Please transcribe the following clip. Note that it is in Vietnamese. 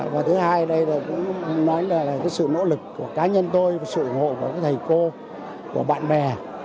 và thứ hai đây là sự nỗ lực của cá nhân tôi sự ủng hộ của thầy cô của bạn bè